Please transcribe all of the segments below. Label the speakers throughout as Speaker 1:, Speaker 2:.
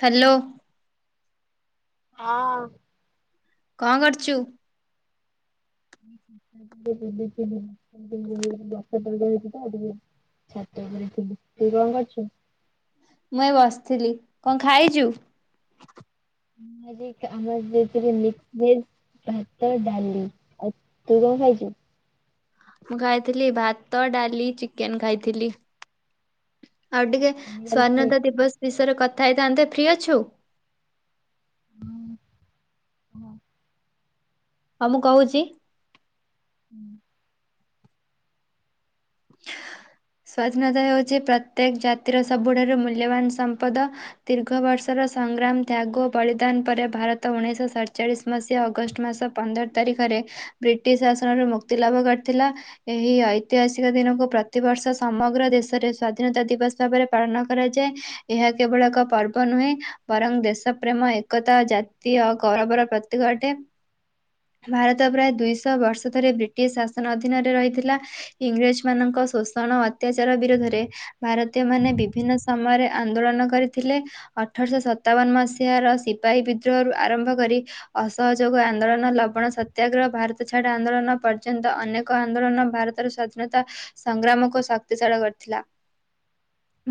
Speaker 1: Hello,
Speaker 2: ହଁ-ଅ-ଅ,
Speaker 1: କଣ କରୁଛୁ?
Speaker 2: [unintelligible] ଛାତ ଉପରେ ଥିଲି, ତୁ କଣ କରୁଛୁ?
Speaker 1: ମୁଁ ଏଇ ବସିଥିଲି। କଣ ଖାଇଛୁ?
Speaker 2: ମୁଁ ଆଜି ଆମର ଯେ ଥିଲେ ମିକ୍ସ ଭେଜ୍। ଭାତ, ଡାଲି। ଆଉ ତୁ କଣ ଖାଇଛୁ?
Speaker 1: ମୁଁ ଖାଇଥିଲି ଭାତ, ଡାଲି, ଚିକେନ ଖାଇଥିଲି। ଆଉ ଟିକେ ସ୍ଵାଧୀନତା ଦିବସ ବିଷୟରେ କଥା ହେଇଥାନ୍ତେ, ଫ୍ରି ଅଛୁ?
Speaker 2: ହୁଁ ହଁ।
Speaker 1: ହଁ ମୁଁ କହୁଛି ସ୍ଵାଧୀନତା ହେଉଛି ପ୍ରତ୍ୟେକ ଜାତିର ସବୁଠାରୁ ମୂଲ୍ୟବାନ ସମ୍ପଦ। ଦୀର୍ଘ ବର୍ଷର ସଂଗ୍ରାମ, ତ୍ୟାଗ, ବଳିଦାନ ପରେ ଭାରତ ଉଣେଇଶ ସଡଚାଳିଶ ମସିହା ଅଗଷ୍ଟ ମାସ ପନ୍ଦର ତାରିଖରେ ବ୍ରିଟିଶ ଶାସନରୁ ମୁକ୍ତି ଲାଭ କରିଥିଲା। ଏହି ଐତିହାସି ସିକ ଦିନକୁ, ପ୍ରତିବର୍ଷ ସମଗ୍ର ଦେଶରେ ସ୍ଵାଧୀନତା ଦିବସ ଭାବରେ ପାଳନ କରାଯାଏ। ଏହା କେବଳ ଏକ ପର୍ବ ନୁହେଁ ବରଂ ଦେଶ ପ୍ରେମ ଏକତା ଜାତି ଓ ଗୌରବର ପ୍ରତୀକ ଅଟେ। ଭାରତ ପ୍ରାୟ ଦୁଇଶହ ବର୍ଷ ଧରି ବ୍ରିଟିଶ ଶାସନ ଅଧୀନରେ ରହିଥିଲା ଇଂରେଜମାନଙ୍କ ଶୋଷଣ ଅତ୍ୟାଚାର ବିରୋଧରେ ଭାରତୀୟମାନେ ବିଭିନ୍ନ ସମୟରେ ଆନ୍ଦୋଳନ କରିଥିଲେ ଅଠରଶହ ସତାବନ ମସିହାର ସିପାହୀ ବିଦ୍ରୋହରୁ ଆରମ୍ଭ କରି ଅସହଯୋଗ ଆନ୍ଦୋଳନ, ଲବଣ ସତ୍ୟାଗ୍ରହ, ଭାରତ ଛାଡ ଆନ୍ଦୋଳନ ପର୍ଯ୍ୟନ୍ତ ଅନେକ କ ଆନ୍ଦୋଳନ ଭାରତର ସ୍ୱାଧୀନତା ସଂଗ୍ରାମକୁ ଶକ୍ତିଶାଳ କରିଥିଲା।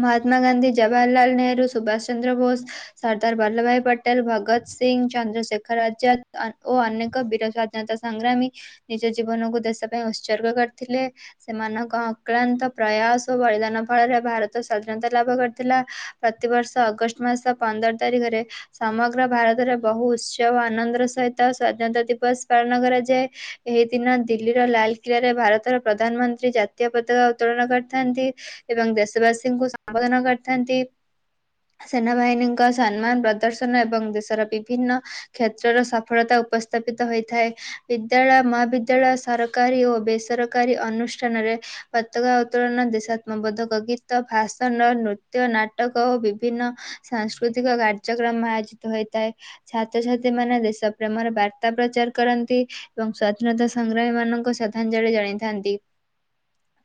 Speaker 1: ମହାତ୍ମା ଗାନ୍ଧୀ, ଜବାହହାରଲାଲ ନେହେରୁ, ସୁଭାଷ ଚନ୍ଦ୍ର ବୋଷ ସର୍ଦ୍ଦାର ବଲ୍ଲଭ ଭାଇ ପଟେଲ, ଭଗତ ସିଂ, ଚନ୍ଦ୍ରଶେଖର ଆଜାଦ ଓ ଅନେକ ବୀର ସ୍ୱା ଧୀନତା ସଂଗ୍ରାମୀ, ନିଜ ଜୀବନକୁ ଦେଶ ପାଇଁ ଉତ୍ସର୍ଗ କରିଥିଲେ ସେମାନଙ୍କ ଅକ୍ଲାନ୍ତ ପ୍ରୟାସ ଓ ବଳିଦାନ ଫଳରେ ଭାରତ ସ୍ଵାଧୀନତା ଲାଭ କରିଥିଲା ପ୍ରତିବର୍ଷ ଅଗଷ୍ଟ ମାସ ପନ୍ଦର ତାରିଖରେ ସମଗ୍ର ଭାରତରେ ବହୁ ଉତ୍ସବ ଓ ଆନନ୍ଦର ସହିତ ସ୍ଵାଧୀନତା ଦିବସ ପାଳନ କରାଯାଏ ଏହି ଦିନ ଦିଲ୍ଲୀର ଲାଲକିଲ୍ଲାରେ ଭାରତର ପ୍ରଧା ପ୍ରଧାନମନ୍ତ୍ରୀ ଜାତୀୟ ପତାକା ଉତ୍ତୋଳନ କରିଥାନ୍ତି ଏବଂ ଦେଶବାସୀଙ୍କୁ ସମ୍ବୋଧନ କରିଥାନ୍ତି ସେନାବାହିନୀଙ୍କ ସମ୍ମାନ ପ୍ରଦର୍ଶନ ଏବଂ ଦେଶର ବିଭିନ୍ନ କ୍ଷେତ୍ରର ସଫଳତା ଉପସ୍ଥାପିତ ହୋଇଥାଏ ବିଦ୍ୟାଳୟ, ମହାବିଦ୍ୟାଳୟ, ସରକାରୀ ଓ ବେସରକାରୀ ଅନୁଷ୍ଠାନରେ ପତକା ଉତ୍ତୋଳନ, ଦେଶାତ୍ମବୋଧକ ଗୀତ, ଭାଷନ ଓ ନୃତ୍ୟ ନାଟ ନାଟକ ଓ ବିଭିନ୍ନ ସାଂସ୍କୃତିକ କାର୍ଯ୍ୟକ୍ରମ ଆୟୋଜିତ ହୋଇଥାଏ ଛାତ୍ରଛାତ୍ରୀମାନେ ଦେଶ ପ୍ରେମର ବାର୍ତ୍ତା ପ୍ରଚାର କରନ୍ତି ଏବଂ ସ୍ୱାଧୀନତା ସଂଗ୍ରାମୀମାନଙ୍କୁ ଶ୍ରଦ୍ଧାଞ୍ଜଳି ଜଣାଇଥାନ୍ତି।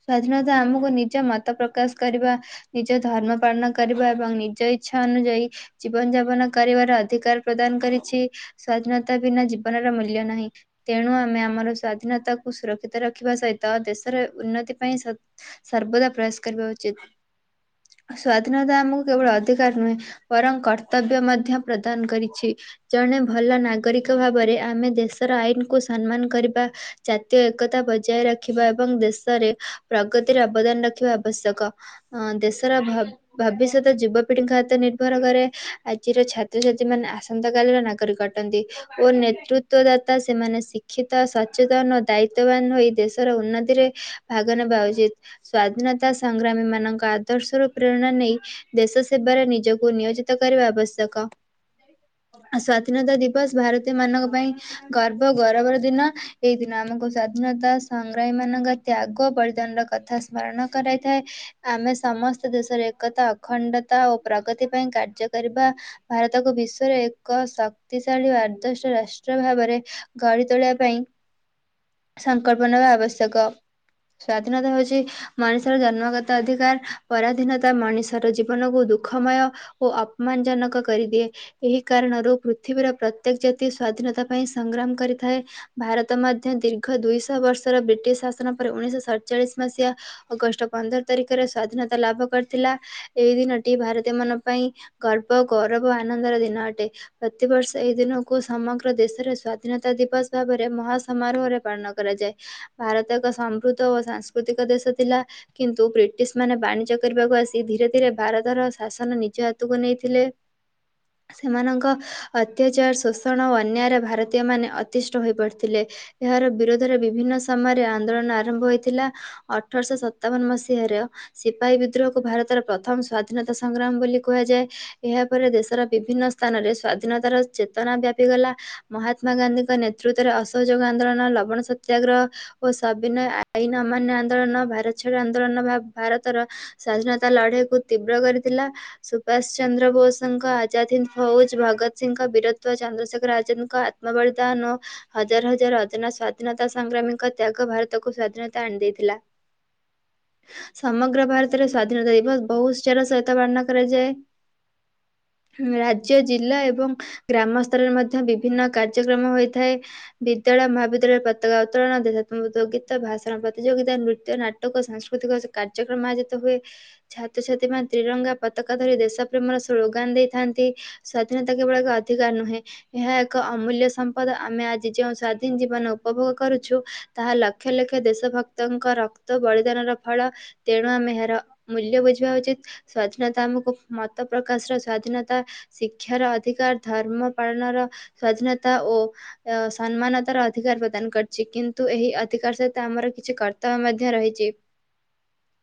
Speaker 1: ସ୍ଵାଧୀନତା ଆମକୁ ନିଜ ମତ ପ୍ରକାଶ କରିବା ନିଜ ଧର୍ମ ପାଳନ କରିବା ଏବଂ ନିଜ ଇଚ୍ଛା ଅନୁଯାୟୀ ଜୀବନଯାପନ କରିବାର ଅଧିକାର ପ୍ରଦାନ କରିଛି ସ୍ଵାଧୀନତା ବିନା ଜୀବନର ମୂଲ୍ୟ ନାହିଁ। ତେଣୁ ଆମେ ଆମର ସ୍ଵାଧୀନତାକୁୁ ସୁରକ୍ଷିତ ରଖି ରଖିବା ସହିତ, ଦେଶର ଉନ୍ନତି ପାଇଁ ସତ୍-ସର୍ବଦା ପ୍ରୟାସ କରିବା ଉଚିତ। ସ୍ଵାଧୀନତା ଆମକୁ କେବଳ ଅଧିକାର ନୁହେଁ ବରଂ କର୍ତ୍ତବ୍ୟ ମଧ୍ୟ ପ୍ରଦାନ କରିଛି। ଜଣେ ଭଲ ନାଗରିକ ଭାବରେ ଆମେ ଦେଶର ଆଇନକୁ ସମ୍ମାନ କରିବା ଜାତୀୟ ଏକତା ବୈ ବଜାୟ ରଖିବା ଏବଂ ଦେଶରେ ପ୍ରଗତିର ଅବଦାନ ରଖିବା ଆବଶ୍ୟକ। ଅଁ ଦେଶର ଭବ ଭବିଷ୍ୟତ ଯୁବପିଢିଙ୍କ ହାତରେ ନିର୍ଭର କରେ, ଆଜିର ଛାତ୍ରଛାତ୍ରୀ ମାନେ ଆସ ସନ୍ତା କାଲିର ନାଗରିକ ଅଟନ୍ତି। ଓ ନେତୃତ୍ୱଦାତା, ସେମାନେ ଶିକ୍ଷିତା, ସଚେତନ ଓ ଦାୟିତ୍ୱବାନ ହୋଇ ଦେଶର ଉନ୍ନତିରେ ଭାଗ ନେବା ଉଚିତ୍। ସ୍ଵାଧୀନତା ସଂଗ୍ରାମୀ ମାନଙ୍କ ଆଦର୍ଶରୁ ପ୍ରେରଣା ନେଇ ଦେଶସେବାରେ ନିଜକୁ ନିୟୋଜିତ କରିବା ଆବଶ୍ୟକ। ଆ ସ୍ଵାଧୀନତା ଦିବସ ଭାରତୀୟ ମାନଙ୍କ ପାଇଁ ଗର୍ବ ଗୌରବର ଦିନ, ଏଇ ଦିନ ଆମକୁ ସ୍ଵାଧୀନତା ସଂଗ୍ରାମୀ ମାନଙ୍କ ତ୍ୟାଗ, ବଳିଦାନର କଥା ସ୍ମରଣ କରାଇଥାଏ। ଆମେ ସମସ୍ତ ଦେଶର ଏକତା, ଅଖଣ୍ଡତା ଓ ପ୍ରଗତି ପାଇଁ କାର୍ଯ୍ୟ କରିବା। ଭାରତକୁ ବିଶ୍ୱରେ ଏକ ଶକ୍ତିଶାଳୀ ଆଦର୍ଶ ରାଷ୍ଟ୍ର ଭାବରେ ଗଢ଼ି ତୋଳିବା ପାଇଁ ସଂକଳ୍ପ ନେବା ଆବଶ୍ୟକ। ସ୍ଵାଧୀନତା ହଉଛି ମଣିଷର ଜନ୍ମଗତ ଅଧିକାର, ପରାଧୀନତା ମଣିଷର ଜୀବନକୁ ଦୁଃଖମୟ ଓ ଅପମାନ ଜନକ କରିଦିଏ। ଏହି କାରଣରୁ ପୃଥିବୀର ପ୍ରତ୍ୟେକ ଜାତି ସ୍ଵାଧୀନତା ପାଇଁ ସଂଗ୍ରାମ କରିଥାଏ। ଭାରତ ମଧ୍ୟ ଦୀର୍ଘ ଦୁଇଶହ ବର୍ଷର ବ୍ରିଟିଶ ଶାସନ ପରେ ଉଣେଇଶ ସଡଚାଳିଶ ମସିହା ଅଗଷ୍ଟ ପନ୍ଦର ତାରିଖରେ ସ୍ଵାଧୀନତା ଲାଭ କରିଥିଲା, ଏଇ ଦିନଟି ଭାରତୀୟ ମାନଙ୍କ ପାଇଁ ଗର୍ବ ଓ ଗୌରବ ଆନନ୍ଦର ଦିନ ଅଟେ। ପ୍ରତିବର୍ଷ ଏଇ ଦିନକୁ ସମଗ୍ର ଦେଶରେ ସ୍ଵାଧୀନତା ଦିବସ ଭାବରେ ମହା ସମାରୋହରେ ପାଳନ କରାଯାଏ। ଭାରତ ଏକ ସମୃଦ୍ଧ ଓ ସାଂସ୍କୃତିକ ଦେଶ ଥିଲା। କିନ୍ତୁ ବ୍ରିଟିଶ ମାନେ ବାଣିଜ୍ୟ କରିବାକୁ ଆସି ଧିରେ ଧିରେ ଭାରତର ଶାସନ ନିଜ ହାତକୁ ନେଇଥିଲେ। ସେମାନଙ୍କ ଅତ୍ୟାଚାର ଶୋଷଣ ଓ ଅନ୍ୟାୟରେ ଭାରତୀୟ ମାନେ ଅତିଷ୍ଠ ହୋଇପଡିଥିଲେ, ଏହାର ବିରୋଧ ରେ ବିଭିନ୍ନ ସମୟରେ ଆନ୍ଦୋଳନ ଆରମ୍ଭ ହୋଇଥିଲା, ଅଠରଶ ସତାବନ ମସିହାର ସିପାହୀ ବିଦ୍ରୋହକୁ ଭାରତର ପ୍ରଥମ ସ୍ଵାଧୀନତା ସଂଗ୍ରାମ ବୋଲି କୁହାଯାଏ ଏହାପରେ ଦେଶର ବିଭିନ୍ନ ସ୍ଥାନରେ ସ୍ଵାଧୀନତାର ଚେତନା ବ୍ୟାପିଗଲା। ମହାତ୍ମା ଗାନ୍ଧୀଙ୍କ ନେତୃତ୍ୱରେ ଅସହଯୋଗ ଆନ୍ଦୋଳନ, ଲବଣ ସ ତ୍ୟାଗ୍ରହ ଓ ସବିନୟ ଆଇନ ଅମାନ୍ୟ ଆନ୍ଦୋଳନ ଭାରତଛାଡ ଆନ୍ଦୋଳନ ଭା-ଭାରତର ସ୍ଵାଧୀନତା ଲଢିଆକୁ ତୀବ୍ର କରିଥିଲା। ସୁଭାଷ ଚନ୍ଦ୍ର ବୋଷଙ୍କ ଆଜାଦ୍ ହିନ୍ଦ ଫୌଜ, ଭଗତ ସିଂହଙ୍କ ବୀରତ୍ୱ ଚନ୍ଦ୍ରଶେଖର ଆଜାଦଙ୍କ ଆତ୍ମ ବଳିଦାନ ଓ ହଜାର ହଜାର ଅଜନା ସ୍ୱା ସ୍ୱାଧୀନତା ସଂଗ୍ରାମୀଙ୍କ ତ୍ୟାଗ ଭାରତକୁ ସ୍ୱାଧୀନତା ଆଣିଦେଇ ଥିଲା। ସମଗ୍ର ଭାରତରେ ସ୍ଵାଧୀନତା ଦିବସ ବହୁତ ଉତ୍ସାହର ସହିତ ପାଳନ କରାଯାଏ। ରାଜ୍ୟ, ଜିଲ୍ଲା ଏବଂ ଗ୍ରାମ ସ୍ତରରେ ମଧ୍ୟ ବିଭିନ୍ନ କାର୍ଯ୍ୟକ୍ରମ ହୋଇଥାଏ, ବିଦ୍ୟାଳୟ, ମହାବିଦ୍ୟାଳୟ ପ ପତକା ଉତ୍ତୋଳନ, ଦେଶାତ୍ମବୋଧକ ଗୀତ, ଭାଷଣ ପ୍ରତିଯୋଗିତା, ନୃତ୍ୟ, ନାଟକ ଓ ସାଂସ୍କୃତିକ କାର୍ଯ୍ୟକ୍ରମ ଆୟୋଜିତ ହୁଏ। ଛାତ୍ରଛାତ୍ରୀ ମାନେ ତ୍ରିରଙ୍ଗା ପତକା ଧରି ଦେଶ ପ୍ରେମର ସ୍ଲୋଗାନ ଦେଇଥାନ୍ତି। ସ୍ଵଧୀନତା କେବଳ ଏକ ଅଧିକାର ନୁହେଁ ଏହା ଏକ ଅମୂଲ୍ୟ ସମ୍ପଦ, ଆମେ ଆଜି ଯେଉଁ ସ୍ଵାଧୀନ ଜୀବନ ଉପଭୋଗ କରୁଛୁ, ତାହା ଲକ୍ଷ ଲକ୍ଷ ଦେଶ ଭକ୍ତଙ୍କ ରକ୍ତ ବଳିଦାନର ଫଳ। ତେଣୁ ଆମେ ଏହାର ମୂଲ୍ୟ ବୁଝିବା ଉଚିତ୍। ସ୍ଵାଧୀନତା ଆମକୁ ମତ ପ୍ରକାଶର ସ୍ଵାଧୀନତା ଶିକ୍ଷାର ଅଧିକାର ଧର୍ମ ପାଳନର ସ୍ଵାଧୀନତା ଓ ଏ ସମ୍ମାନତାର ଅଧିକାର ପ୍ର ଦାନ କରିଚି, କିନ୍ତୁ ଏହି ଅଧିକାର ସହିତ ଆମର କିଛି କର୍ତ୍ତବ୍ୟ ମଧ୍ୟ ରହିଚି।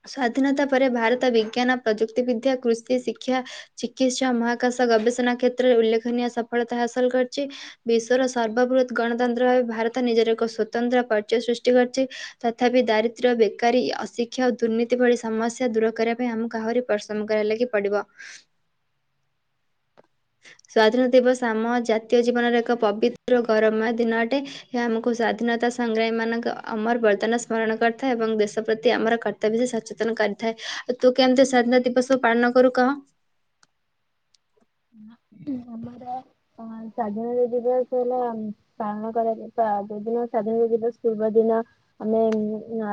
Speaker 1: ସ୍ଵାଧୀନତା ପରେ ଭାରତ ବିଜ୍ଞାନ, ପ୍ରଯୁକ୍ତି ବିଦ୍ୟା, କୃଷି, ଶିକ୍ଷା ଚିକିତ୍ସା, ମହାକାଶ ଗବେଷଣା କ୍ଷେତ୍ରରେ ଉଲ୍ଲେଖନୀୟ ସଫଳତା ହାସଲ କରିଚି। ବିଶ୍ଵର ସର୍ବବୃହତ୍ ଗଣତନ୍ତ୍ର ଭାବେ ଭାରତ ନିଜର ଏକ ସ୍ଵତନ୍ତ୍ର ପରିଚୟ ସୃଷ୍ଟି କରିଛି। ତଥାପି ଦାରିଦ୍ର୍ୟ, ବେକାରୀ, ଅଶିକ୍ଷ ଓ ଦୁର୍ନୀତି ଭଳି ସମସ୍ୟା ଦୂର କରିବା ପାଇଁ ଆମକୁ ଆହୁରି ପରିଶ୍ରମ କରିଆ ଲାଗି ପଡ଼ିବ। ସ୍ଵାଧୀନତା ଦିବସ ଆମ ଜାତୀୟ ଜୀବନର ଏକ ପବିତ୍ର ଗୌରବମୟ ଦିନ ଅଟେ। ଏହା ଆମକୁ ସ୍ଵାଧୀନତା ସଂଗ୍ରାମୀ ମାନଙ୍କ ଅମର ବରଦାନ ସ୍ମରଣ କରିଥାଏ ଏବଂ ଦେଶ ପ୍ରତି ଆମର କ ର୍ତ୍ତବ୍ୟ ସେ ସଚେତନ କରିଥାଏ, ଆଉ ତୁ କେମିତି ସ୍ୱାଧୀନତା ଦିବସକୁ ପାଳନ କରୁ କହ?
Speaker 2: ଆମର ଅଁ ସ୍ୱାଧୀନତା ଦିବସ ହେଲା ପାଳନ କରାଯାଏ ତା ଯୋଉଦିନ ସ୍ବାଧୀନତା ଦିବସ ପୂର୍ବ ଦିନ ଆମେ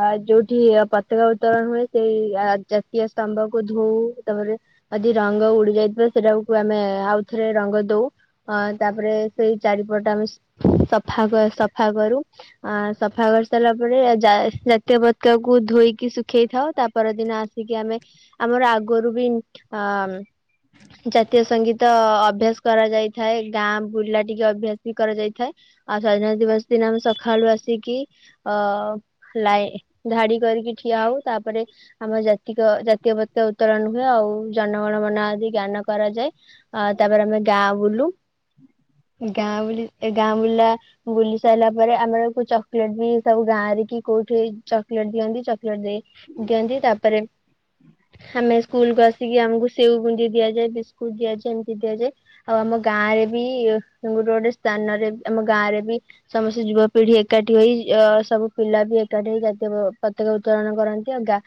Speaker 2: ଆ ଯୋଉଠି ପତକା ଉତ୍ତୋଳନ ହୁଏ ସେଇ ଆ ଯା ଇଏ ସ୍ତମ୍ଭକୁ ଧୋଉ ତାପରେ ଜଦି ରଙ୍ଗ ଉଡି ଯାଇଥିବ ସେଟାକୁ ତ ଆମେ ଆଉଥରେ ରଙ୍ଗ ଦଉ। ଅ ତାପରେ ସେଇ ଚାରିପଟ ଆମେ ସଫା ସଫା କରୁ। ଅ ସଫା କରି ସାରିଲା ପରେ ଜା ଜାତୀୟ ପତକାକୁ ଧୋଇକି ଶୁଖେଇ ଥାଉ ତା ପରଦିନ ଆସିକି ଆମେ ଆମର ଆଗରୁ ବି ଅ ଜାତୀୟ ସଙ୍ଗୀତ ଅଭ୍ୟାସ କରାଯାଇଥାଏ। ଗାଁ ବୁାଲା ଟିକେ ଅଭ୍ୟାସ ବି କରାଯାଇଥାଏ। ଆଉ ସ୍ଵାଧୀନତା ଦିବସ ଦିନ ଆମେ ସକାଳୁ ଆସିକି ଅ ଲାଇ ଧାଡି କରିକି ଠିଆ ହଉ ତାପରେ ଆମ ଜାତିକ ଜାତୀୟ ପତକା ଉତ୍ତୋଳନ ହୁଏ ଆଉ ଜନଗଣ ମନ ଆଦି ଜ୍ଞାନ କରାଯାଏ ଆ ତାପରେ ଆମେ ଗାଁ ବୁଲୁ। ଗାଁ ବୁଲି ଏ ଗାଁ ବୁଲା ବୁଲି ସାରିଲା ପରେ ଆମର ଚକୋଲେଟ ବି ସବୁ ଗାଁ ରେ କି କୋଉଠି ଚକୋଲେଟ ଦିଅନ୍ତି ଚକଲେଟ ଦେଇ ଦିଅନ୍ତି ତାପରେ, ଆମେ ସ୍କୁଲକୁୁ ଆସିକି ଆମକୁ ସେଉ ବୁନ୍ଦି ଦିଆଯାଏ ବିସ ସ୍କୁଟ ଦିଆଯାଏ ଏମିତି ଦିଆଯାଏ। ଆଉ ଆମ ଗାଁ ରେ ବି ଗୋଟେ ଗୋଟେ ସ୍ଥାନରେ ଆମ ଗାଁ ରେ ବି ସମସ୍ତେ ଯୁବପିଢି ଏକାଠି ହୋଇ ଅ ସବୁ ପିଲା ବି ଏକାଠି ହୋଇ ଜାତୀୟ ପତାକା ଉତ୍ତୋଳନ କରନ୍ତି ଆଉ ଗା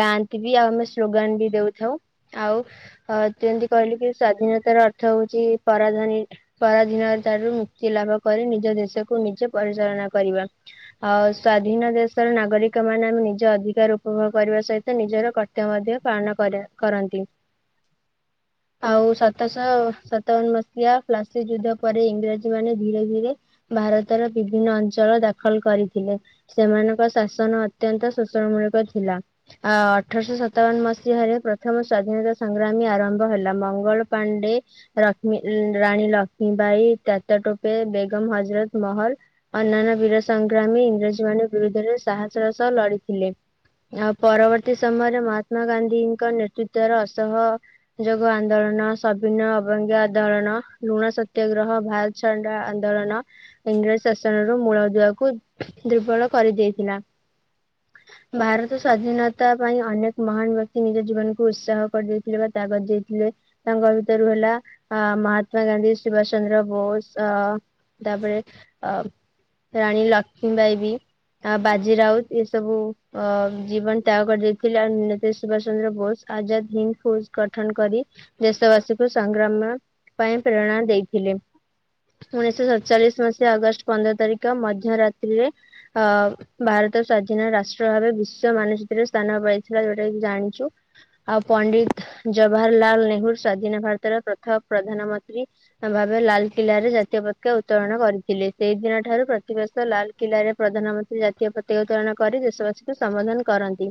Speaker 2: ଗାଆନ୍ତି ବି ଆଉ ଆମେ ସ୍ଲୋଗାନ ବି ଦଉଥାଉ, ଆଉ ଯେମିତି କହିଲୁ କି ସ୍ଵାଧୀନତାର ଅର୍ଥ ହଉଛି ପରାଧନୀ ପରାଧୀନ ତାରୁ ମୁକ୍ତି ଲାଭ କରି ନିଜ ଦେଶକୁ ନିଜେ ପରିଚାଳନା କରିବା। ଆଉ ସ୍ଵାଧୀନ ଦେଶର ନାଗରିକ ମାନେ ଆମେ ନିଜ ଅଧିକାର ଉପଭୋଗ କରିବା ସହିତ ନିଜର କ ମଧ୍ୟ ପାଳନ କରେ କରନ୍ତି। ଆଉ ସତଶହ ସତାବନ ମସିହା ଫ୍ଲାସି ଯୁଦ୍ଧ ପରେ ଇଂରାଜୀ ମାନେ ଧୀରେ ଧୀରେ ଭାରତର ବିଭିନ୍ନ ଅଞ୍ଚଳ ଦାଖଲ କରିଥିଲେ। ସେମାନଙ୍କ ଶାସନ ଅତ୍ୟନ୍ତ ଶୋଷଣ ମୂଳକ ଥିଲା। ଅ ଅଠରଶହ ସତାବନ ମସିହାରେ ପ୍ରଥମ ସ୍ଵାଧୀନତା ସଂଗ୍ରାମୀ ଆରମ୍ଭ ହେଲା। ମଙ୍ଗଳ ପାଣ୍ଡେ ଲକ୍ଷ୍ମୀ ଲ ରାଣୀ ଲକ୍ଷ୍ମୀ ବାଇ, ତାତ୍ୟା ଟୋପେ, ବେଗମ ହଜରତ ମହଲ ଅନାନ୍ୟ ବୀର ସଂଗ୍ରାମୀ ଇଂରେଜୀ ମାନେ ବିରୁଦ୍ଧରେ ସାହସର ସହ ଲଢିଥିଲେ। ଆଉ ପରବର୍ତ୍ତୀ ସମୟରେ ମହାତ୍ମା ଗାନ୍ଧୀଙ୍କ ନେତୃତର ଅସହ ଯୋଗ ଆନ୍ଦୋଳନ, ସଭିନ ଅବଙ୍ଗ ଆନ୍ଦୋଳନ, ଲୁଣ ସତ୍ୟାଗ୍ରହ, ଭାରତ ଛାଡ ଆନ୍ଦୋଳନ ଇଂରେଜ ଶାସନରୁ ମୂଳ ଦୁଆକୁ ଦୁର୍ବଳ କରିଦେଇଥିଲା। ଭାରତ ସ୍ଵାଧୀନତା ପାଇଁ ଅନେକ ମହାନ ବ୍ୟକ୍ତି ନିଜ ଜୀବନକୁ ଉତ୍ସାହ କରିଦେଇଥିଲେ ବା କାଗଯ ଦେଇଥିଲେ। ତାଙ୍କ ଭିତରୁ ହେଲା ଅ ମହାତ୍ମା ଗାନ୍ଧୀ, ସୁଭାଷ ଚନ୍ଦ୍ର ବୋଷ ଅ ତାପରେ ଅ ରାଣୀ ଲକ୍ଷ୍ମୀ ବାଇ ବି ଆ ବାଜି ରାଉତ ଏସବୁ ଅ ଜୀବନ ତ୍ୟାଗ କରିଦେଇଥିଲେ। ସୁଭାଷ ଚନ୍ଦ୍ର ବୋଷ, ଆଜାଦ ହିନ୍ଦ ଫୋଜ ଗଠନ କରି ଦେଶବାସୀଙ୍କୁ ସାଙ୍ଗ ଗ୍ରାମ ପାଇଁ ପ୍ରେରଣା ଦେଇଥିଲେ। ଉଣେଇଶଶହ ସତଚାଳିଶ ମସିହା ଅଗଷ୍ଟ ପନ୍ଦର ତାରିଖ ମଧ୍ୟରାତ୍ରିରେ ଅ ଭାରତ ସ୍ଵାଧୀନ ରାଷ୍ଟ୍ର ଭାବେ ବିଶ୍ଵ ମାନଚିତରେ ସ୍ଥାନ ପାଇଥିଲା ଯଉଟା କି ଜାଣିଛୁ। ଆଉ ପଣ୍ଡିତ ଜବାହାରଲାଲ ନେହେରୁ ସ୍ଵାଧୀନ ଭାରତର ପ୍ରଥମ ପ୍ରଧାନମନ୍ତ୍ରୀ। ଭାବେ ଲାଲକିଲ୍ଲାରେ ଜାତୀୟ ପତାକା ଉତ୍ତୋଳନ କରିଥିଲେ ସେଇଦିନ ଠାରୁ ପ୍ରତିବର୍ଷ ଲାଲ କିଲାରେ ପ୍ରଧାନମନ୍ତ୍ରୀ ଜାତୀୟ ପତକା ଉତ୍ତୋଳନ କରି ଦେଶବାସୀଙ୍କୁ ସମ୍ବୋଧନ କରନ୍ତି।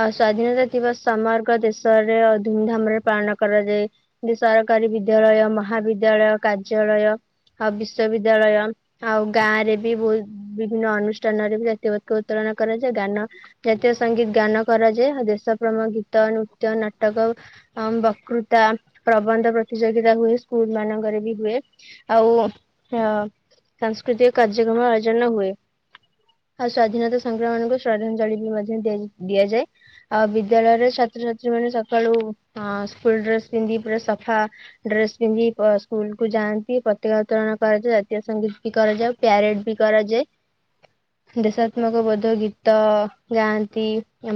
Speaker 2: ଆଉ ସ୍ଵାଧୀନତା ଦିବସ ସମଗ୍ର ଦେଶରେ ଧୁମଧାମ ରେ ପାଳନ କରାଯାଏ। ସରକାରୀ ବିଦ୍ୟାଳୟ, ମହାବିଦ୍ୟାଳୟ, କାର୍ଯ୍ୟାଳୟ, ଆଉ ବିଶ୍ଵବିଦ୍ୟାଳୟ। ଆଉ ଗାଁ ରେ ବି ବୋହୁତ ବିଭିନ୍ନ ଅନୁଷ୍ଠାନରେ ବି ଜାତୀୟ ପତାକା ଉତ୍ତୋଳନ କରାଯାଏ। ଗାନ ଜାତୀୟ ସଙ୍ଗୀତ ଗାନ କରାଯାଏ ଆଉ ଦେଶପ୍ରେମ ଗୀତ, ନୃତ୍ୟ, ନାଟକ ଅମ୍ ବକୃତା, ପ୍ରବନ୍ଧ ପ୍ରତିଯୋଗୀତା ହୁଏ। ସ୍କୁଲ ମାନଙ୍କରେ ବି ହୁଏ। ଆଉ [unintelligible] ସାଂସ୍କୃତିକ କାର୍ଯ୍ୟକ୍ରମ ଆୟୋଜନ ହୁଏ। ଆଉ ସ୍ଵାଧୀନତା ସଂଗ୍ରାମାନଙ୍କୁ ଶ୍ରଦ୍ଧାଞ୍ଜଳି ବି ମଧ୍ୟ ଦିଆ ଦିଆଯାଏ। ଆଉ ବିଦ୍ୟାଳୟରେ ଛାତ୍ରଛାତ୍ରୀ ଯଉମାନେ ସକାଳୁ ଅ- ସ୍କୁଲ ଡ୍ରେସ ପିନ୍ଧି ପୁରା ସଫା ଡ୍ରେସ ପିନ୍ଧି ସ୍କୁଲ କୁ ଯାଆନ୍ତି ପତକା ଉତ୍ତୋଳନ କରାଯାଏ ଜାତୀୟ ସଙ୍ଗୀତ ବି କରାଯାଏ। ପ୍ୟାରେଡ୍ ବି କରାଯାଏ।
Speaker 1: ଁ
Speaker 2: ଦେଶାତ୍ମକ ବୋଧ ଗୀତ ଗାଆନ୍ତି,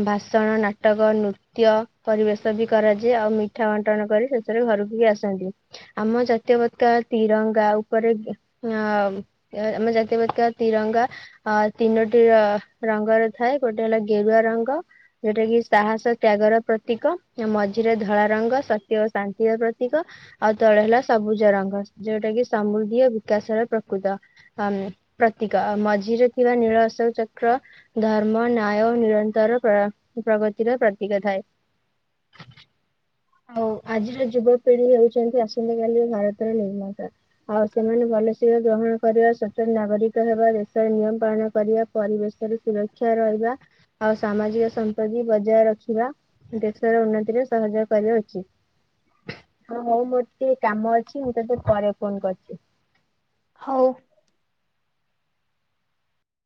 Speaker 2: ଭାଷଣ ନାଟକ ନୃତ୍ୟ ନୃତ୍ୟ ପରିବେଶ ବି କରାଯାଏ ଆଉ ମିଠା ବଣ୍ଟନ କରି ସେଥିରେ ଘରକୁ ବି ଆସନ୍ତି। ଆମ ଜାତୀୟ ପତକା ତିରଙ୍ଗା ଉପରେ ଘି ଆଁ ଆ ଆମ ଜାତୀୟ ପତକା ତିରଙ୍ଗା ଅ ତିନୋଟି ଅ ରଙ୍ଗର ଥାଏ ଗୋଟେ ହେଲା ଗେରୁଆ ରଙ୍ଗ। ଯୋଉଟା କିି ସାହସ ତ୍ୟାଗର ପ୍ର ତୀକ ମଝିରେ ଧଳା ରଙ୍ଗ ସତ୍ୟ ଓ ଶାନ୍ତିର ପ୍ରତୀକ। ଆଉ ତଳେ ହେଲା ସବୁଜ ରଙ୍ଗ ଯୋଉଟା କି ସମୃଦ୍ଧି ଆଉ ବିକାଶର ପ୍ରକୃତ। [unintelligible] ପ୍ରତୀକ ଆଉ ମଝିରେ ଥିବା ନୀଳ ଆଶୋକଚକ୍ର ଧର୍ମ, ନ୍ୟାୟ ଓ ନିରନ୍ତର ପ୍ରୟ ପ୍ରଗତିର ପ୍ରତୀକ ଥାଏ। ଆଉ ଆଜିର ଯୁବପିଢି ହେଉଚନ୍ତି ଆସନ୍ତାକାଲି ଭାରତର ନିର୍ମାତା। ଆଉ ସେମାନେ ଭଲସିଳ ଗ୍ରହଣ କରିବା ସଚେନ ନାଗରିକ ହେବା ଦେଶର ନିୟମ ପାଳନ କରିବା ପରିବେଶରେ ସୁରକ୍ଷା ରହିବା, ଆଉ ସାମାଜିକ ସମ୍ପତ୍ତି ବଜାୟ ରଖିବା ଦେଶର ଉନ୍ନତିରେ ସହଜ କରିବା ଉଚିତ। ହଁ ହଉ ମୋର ଟିକେ କାମ ଅଛି ମୁଁ ତତେ ପରେ ଫୋନ କରୁଚି।
Speaker 1: ହଉ।